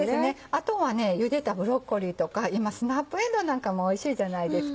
あとはゆでたブロッコリーとか今スナップエンドウなんかもおいしいじゃないですか。